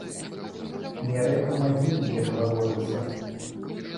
Не рэпам адзіным, як гаворыцца.